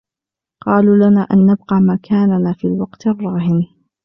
قالوا لنا أن نبقى مكاننا في الوقت الراهن.